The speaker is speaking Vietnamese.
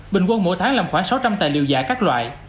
bình quân mỗi tháng làm khoảng sáu trăm linh tài liệu giả các loại